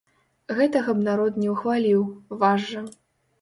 Гэтага б народ не ўхваліў, ваш жа.